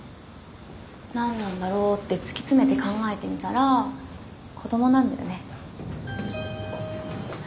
「何なんだろう？」って突き詰めて考えてみたら子供なんだよね。